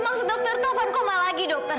maksud dokter taufan koma lagi dokter